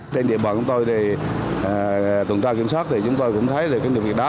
trên địa bàn của tôi thì tuần tra kiểm soát thì chúng tôi cũng thấy là cái sự việc đó